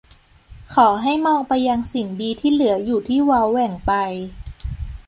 ขอให้มองไปยังสิ่งดีที่เหลืออยู่ที่เว้าแหว่งไป